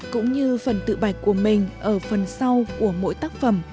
hình tự bạch của mình ở phần sau của mỗi tác phẩm